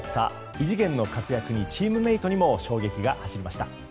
異次元の活躍にチームメートにも衝撃が走りました。